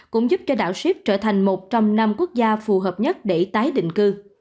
cũng giúp cho đảo sip trở thành một trong năm quốc gia phù hợp nhất để tái định cư